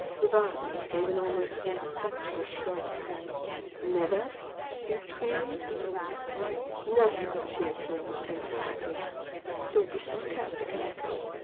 Rivardi gave an almost imperceptible shrug. "Never?" he queried. "Never!" she affirmed, emphatically "Don't be sarcastic, amico!